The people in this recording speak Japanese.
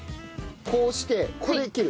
こうしてここで切る？